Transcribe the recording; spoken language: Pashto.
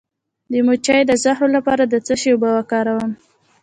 د مچۍ د زهر لپاره د څه شي اوبه وکاروم؟